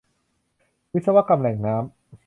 วิศวกรรมแหล่งน้ำ